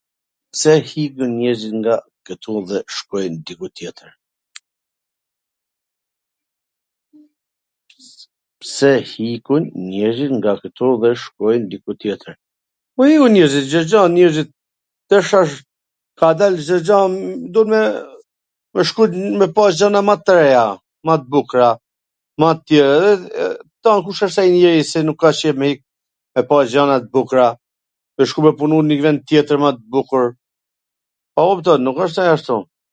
Pse hikun njerzit nga kwtu edhe shkojn diku tjetwr? Po ikun njerzit, Ca jan njerzit, tash a... ka dal Cdo gja... duet me shku me pa xhana ma t reja, ma t bukra, ma t tjer edhe tan, kush asht ai njeri si nuk ka qef me hik me pa gjana t bukra, me shku me punu nw njw ven tjetwr, edhe ma t bukur, a kupton, nuk wsht se ashtu...